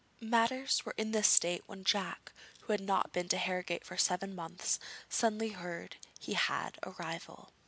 Matters were in this state when Jack, who had not been to Harrogate for seven months, suddenly heard that he had a rival.